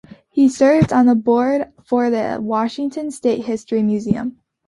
He serves on the Board for the Washington State History Museum.